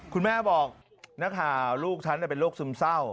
คุณแม่บอกนะครับลูกฉันแต่เป็นโรคซึมเศร้า